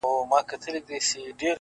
• چي ياد پاته وي، ياد د نازولي زمانې،